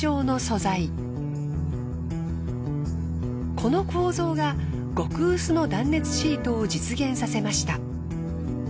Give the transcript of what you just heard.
この構造が極薄の断熱シートを実現させました。